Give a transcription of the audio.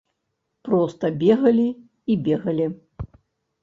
Проста бегалі і бегалі.